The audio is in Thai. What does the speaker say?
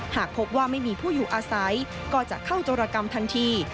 หากพบว่าไม่มีผู้อยู่อาศัยก็จะเข้าโจรกรรมทันที